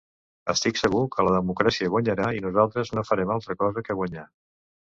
Estic segur que la democràcia guanyarà i nosaltres no farem altra cosa que guanyar.